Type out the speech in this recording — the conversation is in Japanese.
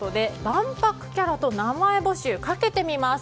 万博キャラと名前募集かけてみます。